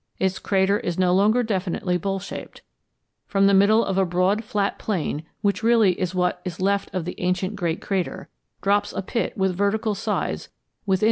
Its crater is no longer definitely bowl shaped. From the middle of a broad flat plain, which really is what is left of the ancient great crater, drops a pit with vertical sides within which boil its lavas.